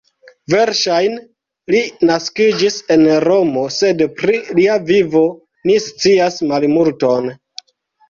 Verŝajne li naskiĝis en Romo, sed pri lia vivo ni scias malmulton.